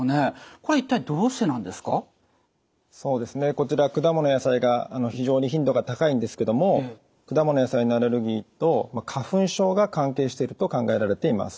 こちら果物・野菜が非常に頻度が高いんですけども果物・野菜のアレルギーと花粉症が関係していると考えられています。